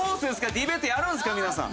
ディベートやるんですか皆さん。